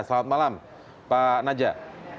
selamat malam pak najah